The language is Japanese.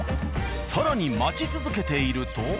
更に待ち続けていると。